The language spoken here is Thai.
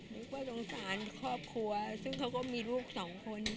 เรียกว่าสงสารข้อควรซึ่งเขาก็มีลูกสองคน